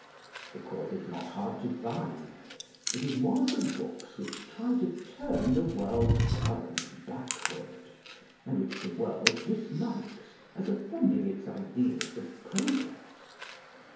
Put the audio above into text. The cause is not hard to find: it is one of the books which try to turn the world's current backward, and which the world dislikes as offending its ideals of progress.